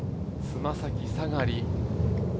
つま先下がり。